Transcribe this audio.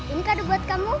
ini kadu buat kamu